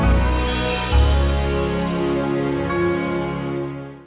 sampai jumpa di video selanjutnya